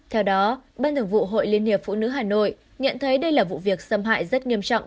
theo đó ban thường vụ hội liên hiệp phụ nữ hà nội nhận thấy đây là vụ việc xâm hại rất nghiêm trọng